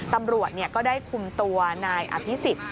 ตำรวจก็ได้คุมตัวนายอภิษฎ